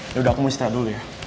yaudah aku mau istirahat dulu ya